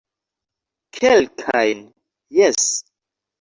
Kelkajn, jes